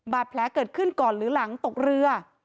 แผลเกิดขึ้นก่อนหรือหลังตกเรือ